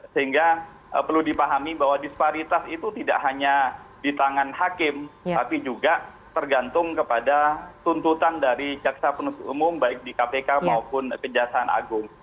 sehingga perlu dipahami bahwa disparitas itu tidak hanya di tangan hakim tapi juga tergantung kepada tuntutan dari jaksa penutup umum baik di kpk maupun kejaksaan agung